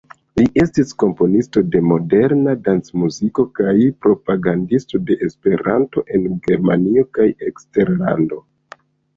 Li estis komponisto de moderna dancmuziko kaj propagandisto de Esperanto en Germanio kaj eksterlando.